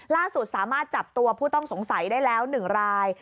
ล่าสุดสามารถจับตัวผู้ต้องสงสัยได้แล้ว๑ราย